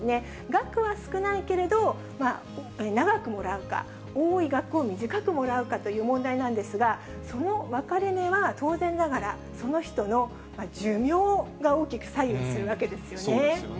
額は少ないけれど長くもらうか、多い額を短くもらうかという問題なんですが、その分かれ目は、当然ながら、その人の寿命が大きく左右するわけですよね。